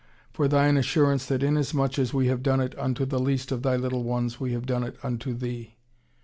For Thine assurance that inasmuch as we have done it unto the least of Thy little ones, we have done it unto Thee.